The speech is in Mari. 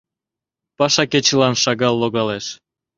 Пашакечылан шагал логалеш.